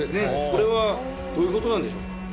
これはどういうことなんでしょうか？